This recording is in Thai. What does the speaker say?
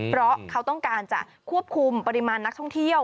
เพราะเขาต้องการจะควบคุมปริมาณนักท่องเที่ยว